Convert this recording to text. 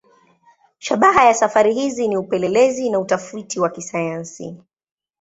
Shabaha ya safari hizi ni upelelezi na utafiti wa kisayansi.